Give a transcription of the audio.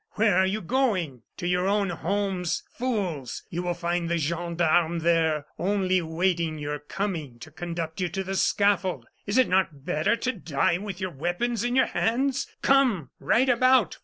Where are you going? To your own homes. Fools! you will find the gendarmes there only awaiting your coming to conduct you to the scaffold. Is it not better to die with your weapons in your hands? Come right about.